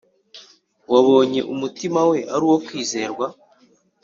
Wabonye umutima we ari uwo kwizerwa